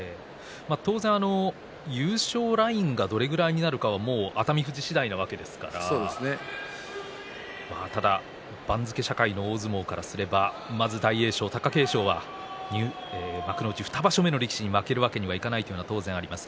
当然、優勝ラインがどれぐらいになるかは熱海富士次第なわけですからただ番付社会の大相撲からするとまず大関の貴景勝は幕内２場所目の力士に負けるわけにはいかないというのはあると思います。